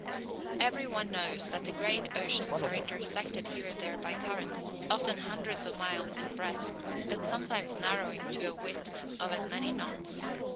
Every one knows that the great oceans are intersected here and there by currents, often hundreds of miles in breadth, but sometimes narrowing to a width of as many "knots."